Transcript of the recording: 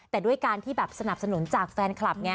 แต่ด้วยการที่แบบสนับสนุนจากแฟนคลับไง